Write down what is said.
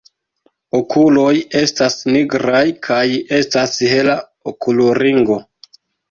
Okuloj estas nigraj kaj estas hela okulringo.